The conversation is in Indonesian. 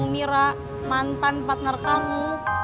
mira mantan partner kamu